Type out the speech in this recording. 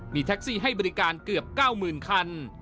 มีแท็กซี่ให้บริการเกือบ๙๐๐คัน